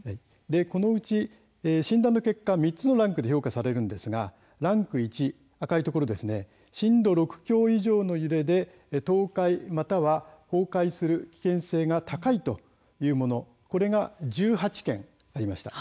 診断結果は３ランクで評価されるのですがランクＩの震度６強以上の揺れで倒壊または崩壊する危険性が高いというもの１８件ありました。